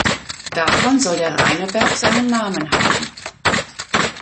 Davon soll der Reineberg seine Namen haben.